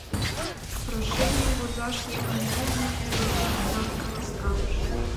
Прошенийым возаш еҥым мумыж нерген тудлан каласкалыш.